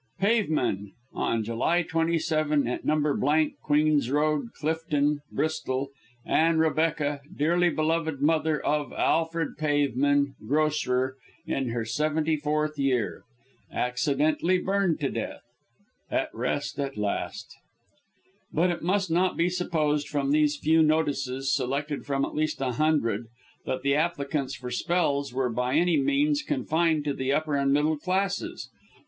PAVEMAN. On July 27, at No. Queen's Road, Clifton, Bristol, Anne Rebecca, dearly beloved mother of Alfred Paveman, grocer, in her 74th year. Accidentally burned to death! At rest at last. But it must not be supposed from these few notices, selected from at least a hundred, that the applicants for spells were by any means confined to the upper and middle classes.